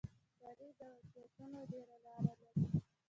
تاریخ د واقعیتونو ډېره لار لري.